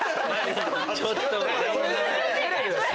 ちょっと。